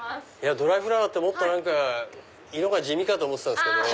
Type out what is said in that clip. ドライフラワーってもっと色が地味かと思ってたんですけど。